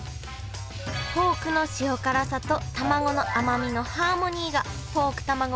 ポークの塩辛さとたまごの甘みのハーモニーがポークたまご